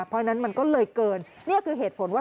เพราะฉะนั้นมันก็เลยเกินนี่คือเหตุผลว่า